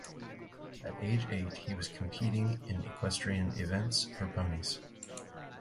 At age eight he was competing in equestrian events for ponies.